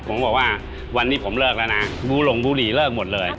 ผมบอกว่าวันนี้ผมเลิกแล้วนะบูลงบุรีเลิกหมดเลย